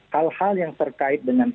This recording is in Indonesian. hal hal yang terkait dengan